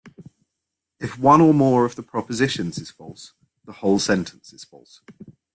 If one or more of the propositions is false, the whole sentence is false.